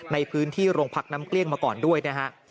ในพื้นที่โรงพักน้ำเกลี้ยงมาก่อนด้วยนะฮะ